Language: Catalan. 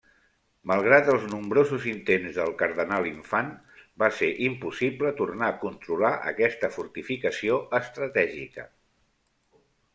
Malgrat els nombrosos intents del Cardenal-Infant va ser impossible tornar a controlar aquesta fortificació estratègica.